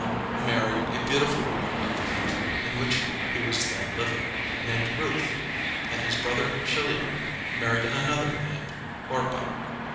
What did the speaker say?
] Then Mahlon married a beautiful woman of the country in which he was then living, named Ruth, and his brother Chilion married another named Orpah.